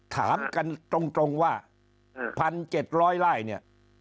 ถามกันตรงว่า๑๗๐๐ไล่